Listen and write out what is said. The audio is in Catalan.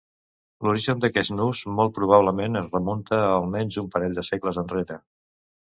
L'origen d'aquest nus molt probablement es remunta a almenys un parell de segles enrere.